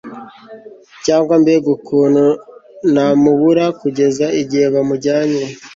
cyangwa mbega ukuntu namubura kugeza igihe bamujyanye